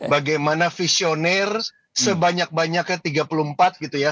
bagaimana visioner sebanyak banyaknya tiga puluh empat gitu ya